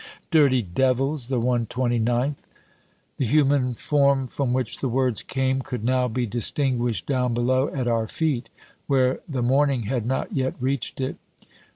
"Dirty devils, the 129th." The human form from which the words came could now be distinguished down below at our feet, where the morning had not yet reached it.